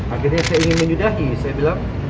akhirnya saya ingin menyudahi saya bilang